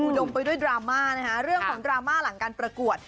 ดมไปด้วยดราม่านะคะเรื่องของดราม่าหลังการประกวด